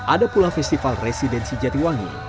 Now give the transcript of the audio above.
ada pula festival residensi jatiwangi